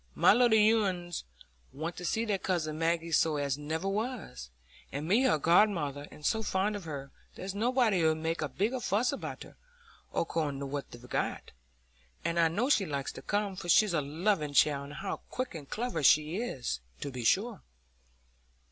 My little uns want to see their cousin Maggie so as never was. And me her godmother, and so fond of her; there's nobody 'ud make a bigger fuss with her, according to what they've got. And I know she likes to come, for she's a loving child, and how quick and clever she is, to be sure!"